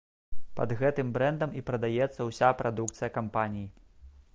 Пад гэтым брэндам і прадаецца ўся прадукцыя кампаніі.